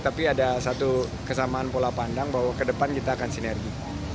tapi ada satu kesamaan pola pandang bahwa ke depan kita akan sinergi